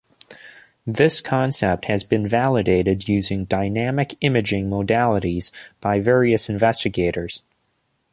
This concept has been validated using dynamic imaging modalities by various investigators.